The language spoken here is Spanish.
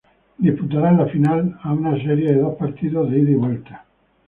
Disputarán la final a una serie de dos partidos de ida y vuelta.